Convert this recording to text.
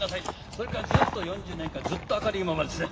それからずっと４０年間ずっと明るいままですね